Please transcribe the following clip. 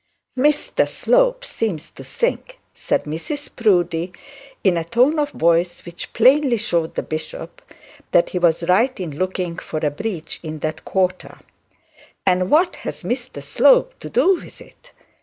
'Mr Slope seems to think!' said Mrs Proudie, in a tone of voice which plainly showed the bishop that he was right in looking for a breach in that quarter. 'And what has Mr Slope to do with it?